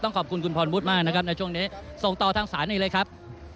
ขอบคุณคุณพรวุฒิมากนะครับในช่วงนี้ส่งต่อทางศาลอีกเลยครับ